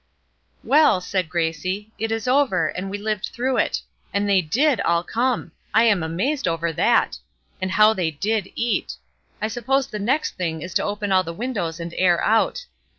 "Well," said Gracie, "it is over, and we lived through it. And they did all come! I am amazed over that! And how they did eat! I suppose the next thing is to open all the windows and air out.